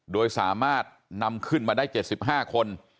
โดยสามารถนำขึ้นมาได้๗๕คน